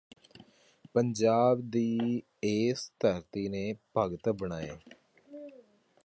ਪੰਜਾਬ ਦੀ ਇਸੇ ਧਰਤੀ ਨੇ ਭਗਤ ਬਣਾਏ